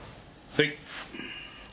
はい。